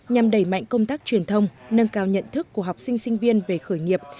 nhằm đẩy mạnh công tác truyền thông nâng cao nhận thức của học sinh sinh viên về khởi nghiệp